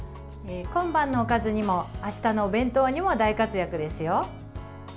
今晩のおかずにもあしたのお弁当にも大活躍ですよ。